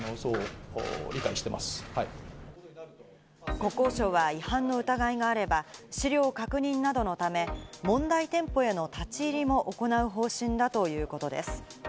国交省は違反の疑いがあれば、資料を確認などのため、問題店舗への立ち入りも行う方針だということです。